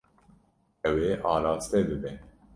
Ew ê araste bibe.